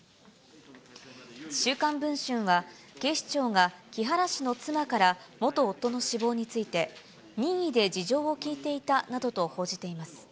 週刊文春は、警視庁が木原氏の妻から元夫の死亡について、任意で事情を聴いていたなどと報じています。